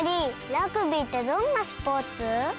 ラグビーってどんなスポーツ？